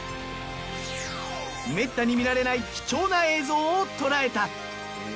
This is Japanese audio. めったに見られない貴重な映像を捉えた。